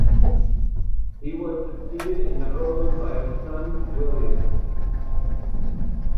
He was succeeded in the earldom by his son, William.